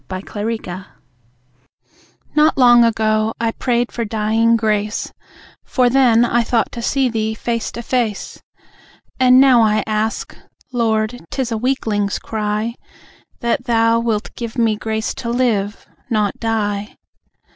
In Convalescence Not long ago, I prayed for dying grace, For then I thought to see Thee face to face. And now I ask (Lord, 'tis a weakling's cry) That Thou wilt give me grace to live, not die.